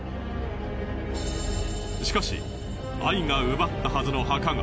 しかしアイが奪ったはずの墓が